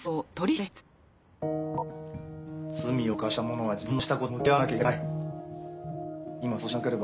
罪を犯した者は自分のしたことと向き合わなきゃいけない。